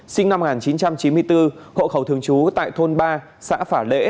sinh năm một nghìn chín trăm chín mươi bốn hộ khẩu thường trú tại thôn ba xã phả lễ